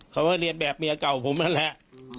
เขาก็เรียนแบบเมียเก่าผมนั่นแหละ